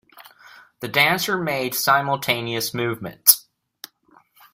The dancer made simultaneous movements.